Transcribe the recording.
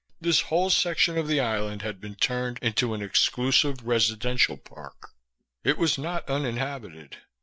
This whole section of the island had been turned into an exclusive residential park. It was not uninhabited.